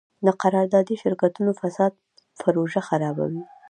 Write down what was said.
د قراردادي شرکتونو فساد پروژه خرابوي.